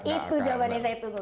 itu jawabannya saya tunggu